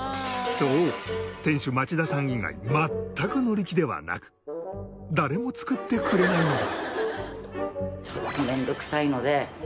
そう店主町田さん以外全くのり気ではなく誰も作ってくれないのだ。